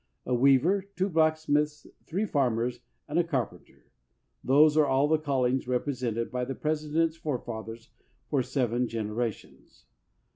A weaver, two blacksmiths, three farmers, and a carpenter — those are the callings represented by the President's forefathers for seven generations.